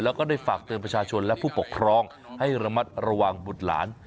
แล้วก็ได้ฝากเตือนประชาชนและผู้ปกครองให้ระมัดระวังบุตรหลาน